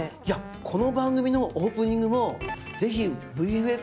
いやこの番組のオープニングも是非ＶＦＸで。